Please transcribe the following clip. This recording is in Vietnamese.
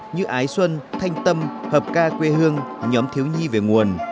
như ái xuân thanh tâm hợp ca quê hương nhóm thiếu nhi về nguồn